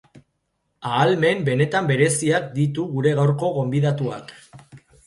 Ahalmen benetan bereziak ditu gure gaurko gonbidatuak.